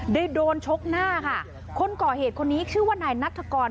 โดนชกหน้าค่ะคนก่อเหตุคนนี้ชื่อว่านายนัฐกร